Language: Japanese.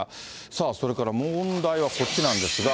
さあ、それから問題はこっちなんですが。